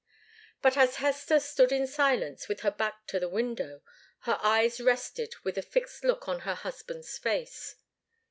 But as Hester stood in silence, with her back to the window, her eyes rested with a fixed look on her husband's face.